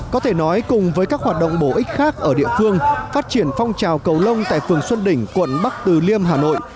có thể nói cùng với các hoạt động bổ ích khác ở địa phương phát triển phong trào cầu lông tại phường xuân đỉnh quận bắc từ liêm hà nội